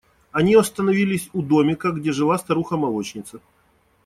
Они остановились у домика, где жила старуха молочница.